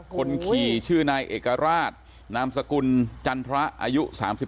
คนขี่ชื่อนายเอกราชนามสกุลจันทรอายุ๓๒